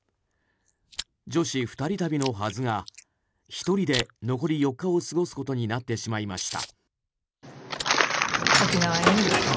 女子２人旅のはずが１人で残り４日を過ごすことになってしまいました。